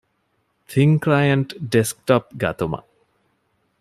ތިން ކްލައިންޓް ޑެސްކްޓޮޕް ގަތުމަށް